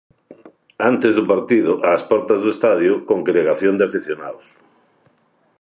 Antes do partido, ás portas do estadio, congregación de afeccionados.